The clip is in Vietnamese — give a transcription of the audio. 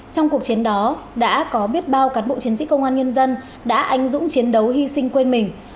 trong cuộc chiến đó đã có biết bao cán bộ chiến sĩ công an nhân dân đã anh dũng chiến đấu hy sinh quên mình